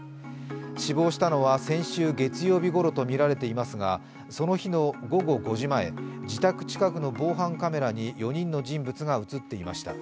死亡したのは先週月曜日ごろと見られていますが、その日の午後５時前、自宅近くの防犯カメラに４人の人物が映っていました。